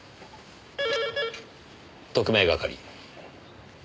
特命係。